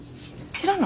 知らんの？